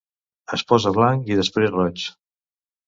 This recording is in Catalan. Es posa blanc i després roig.